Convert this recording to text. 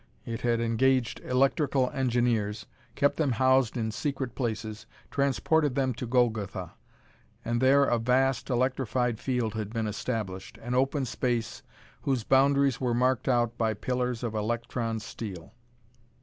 It had engaged electrical engineers, kept them housed in secret places, transported them to Golgotha; and there a vast electrified field had been established, an open space whose boundaries were marked out by pillars of electron steel.